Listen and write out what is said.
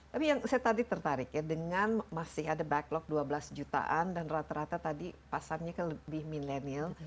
tapi yang saya tadi tertarik ya dengan masih ada backlog dua belas jutaan dan rata rata tadi pasangnya lebih milenial